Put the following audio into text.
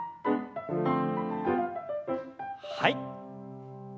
はい。